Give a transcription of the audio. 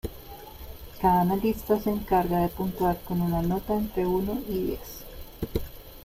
Cada analista se encarga de puntuar con una nota entre uno y diez.